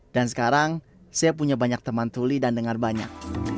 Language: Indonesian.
dan sekarang saya punya banyak teman tuli dan dengar banyak